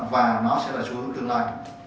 và nó sẽ là xu hướng tương lai